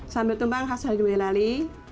sambil tumbang khas dari muelali